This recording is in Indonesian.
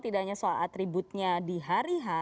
tidak hanya soal atributnya di hari h